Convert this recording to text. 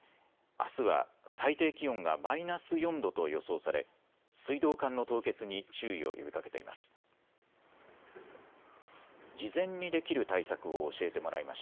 あすは最低気温がマイナス４度と予想され、水道管の凍結に注意を呼びかけています。